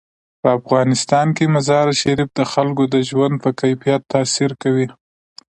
په افغانستان کې مزارشریف د خلکو د ژوند په کیفیت تاثیر کوي.